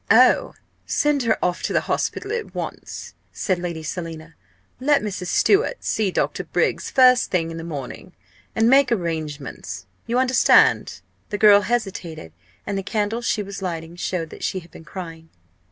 "Oh, send her off to the hospital at once!" said Lady Selina. "Let Mrs. Stewart see Dr. Briggs first thing in the morning, and make arrangements. You understand?" The girl hesitated, and the candles she was lighting showed that she had been crying.